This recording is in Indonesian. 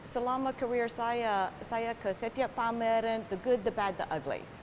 selama karir saya saya ke setiap pameran the good the bad the ugly